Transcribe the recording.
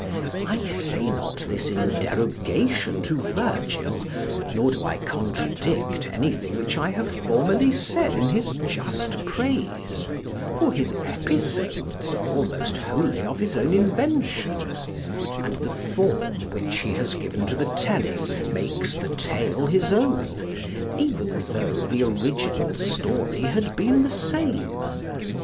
I say not this in derogation to Virgil, neither do I contradict anything which I have formerly said in his just praise: for his episodes are almost wholly of his own invention; and the form which he has given to the telling makes the tale his own, even tho' the original story had been the same.